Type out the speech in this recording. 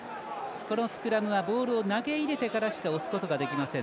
このスクラムは、ボールを投げ入れてからしか押すことができません。